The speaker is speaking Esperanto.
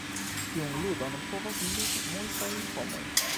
Tiun "ludon" povas "ludi" multaj homoj.